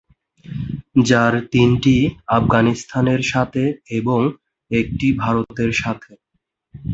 যার তিনটি আফগানিস্তানের সাথে এবং একটি ভারতের সাথে।